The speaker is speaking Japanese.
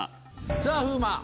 さぁ風磨